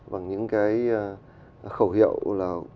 bằng những cái khẩu hiệu là